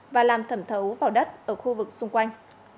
và làm thẩm thấu vào đất ở khu vực xung quanh